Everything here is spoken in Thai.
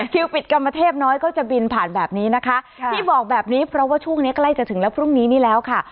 ปิดกรรมเทพน้อยก็จะบินผ่านแบบนี้นะคะที่บอกแบบนี้เพราะว่าช่วงนี้ใกล้จะถึงแล้วพรุ่งนี้นี่แล้วค่ะ